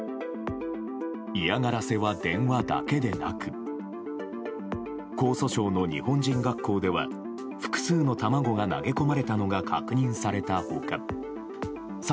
嫌がらせは、電話だけでなく江蘇省の日本人学校では複数の卵が投げ込まれたのが確認された他山